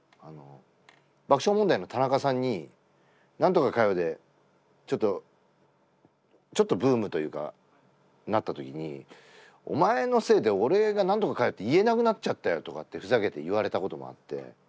爆笑問題の田中さんに「何とかかよ！」でちょっとちょっとブームというかなった時に「お前のせいで俺が『何とかかよ！』って言えなくなっちゃったよ」とかってふざけて言われたこともあって。